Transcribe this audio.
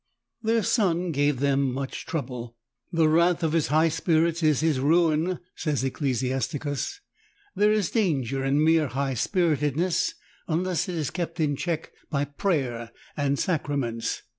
Their son gave them much trouble. "The wrath of his high spirits is his ruin," says Ecclesiasticus. There is dan ger in mere high spiritedness unless it is kept in check by prayer and sacraments.